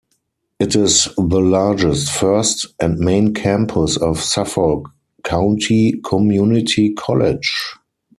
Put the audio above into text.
It is the largest, first, and main campus of Suffolk County Community College.